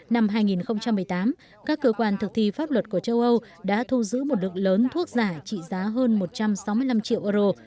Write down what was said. năm hai nghìn một mươi tám các cơ quan thực thi pháp luật của châu âu đã thu giữ một lượng lớn thuốc giả trị giá hơn một trăm sáu mươi năm triệu euro